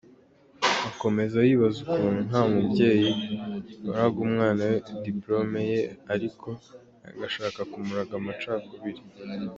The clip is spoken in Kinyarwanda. Akomeza yibaza ukuntu nta mubyeyi uraga umwana we Dipolome ye, ariko agashaka kumuraga amacakubiri.